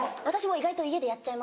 意外と家でやっちゃいます。